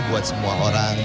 buat semua orang